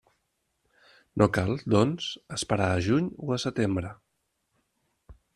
No cal, doncs, esperar a juny o a setembre.